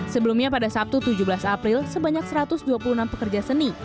sebelumnya pada sabtu tujuh belas april sebanyak satu ratus dua puluh enam pekerja seni